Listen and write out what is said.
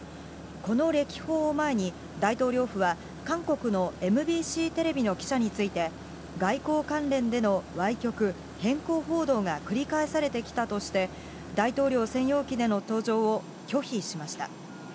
この歴訪を前に、大統領府は韓国のＭＢＣテレビの記者について、外交関連でのわい曲・偏向報道が繰り返されてきたとして、大統領専用機での搭乗を拒否しました。